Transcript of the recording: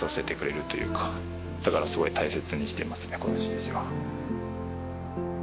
だからすごい大切にしてますねこの色紙は。